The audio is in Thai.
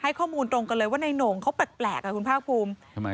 ให้ข้อมูลตรงกันเลยว่าในนงเขาแปลกอะคุณภาคภูมิ